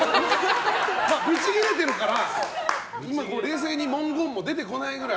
ブチギレてるから冷静に文言も出てこないぐらい。